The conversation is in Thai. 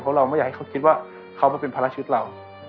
เพราะเราไม่อยากให้เขาคิดว่าเขามาเป็นภาระชีวิตเรา